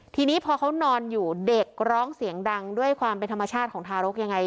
ทีนี้พอเขานอนอยู่เด็กร้องเสียงดังด้วยความเป็นธรรมชาติของทารกยังไง